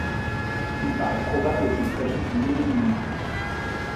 Il parait probable qu'il s'agisse d'une homonymie.